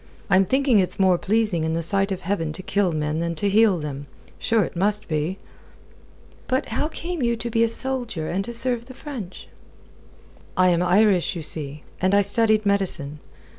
I'm thinking it's more pleasing in the sight of Heaven to kill men than to heal them. Sure it must be." "But how came you to be a soldier, and to serve the French?" "I am Irish, you see, and I studied medicine.